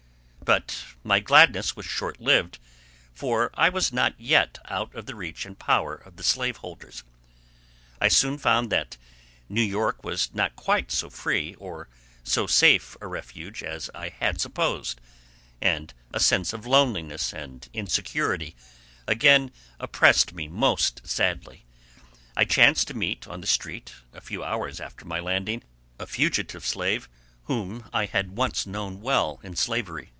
But my gladness was short lived, for I was not yet out of the reach and power of the slave holders. I soon found that New York was not quite so free or so safe a refuge as I had supposed, and a sense of loneliness and insecurity again oppressed me most sadly. I chanced to meet on the street, a few hours after my landing, a fugitive slave whom I had once known well in slavery.